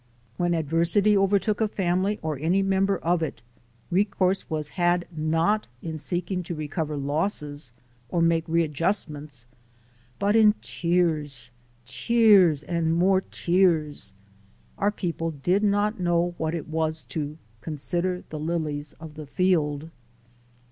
When adversity overtook a family or any member of it, recourse was had not in seeking to recover losses or make readjustments, but in tears, tears and more tears. Our people did not know what it was to "consider the lilies of the field."